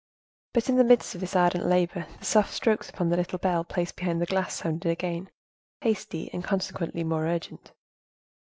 But in the midst of his ardent labor, the soft strokes upon the little bell placed behind the glass sounded again, hasty, and, consequently, more urgent.